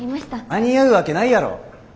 間に合うわけないやろ。